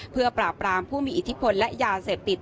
เพื่อปราบรามผู้มีอิทธิพลและยาเสพติด